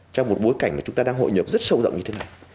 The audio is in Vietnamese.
trong một bối cảnh mà chúng ta đang hội nhập rất sâu rộng như thế này